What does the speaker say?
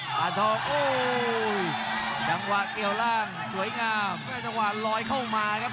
ปานทองโอ้โหจังหวะเกี่ยวล่างสวยงามได้จังหวะลอยเข้ามาครับ